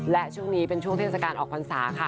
และช่วงนี้เป็นช่วงเทศกาลออกพรรษาค่ะ